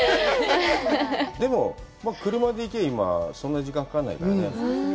でも、車で行けばそんなに時間かからないからね。